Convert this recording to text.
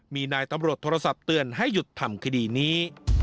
มีนายตำรวจโทรศัพท์เตือนให้หยุดทำคดีนี้